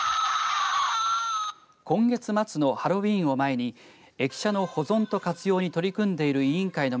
今月末のハロウィーンを前に駅舎の保存と活用に取り組んでいる委員会の